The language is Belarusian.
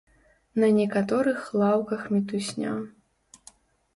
На некаторых лаўках мітусня.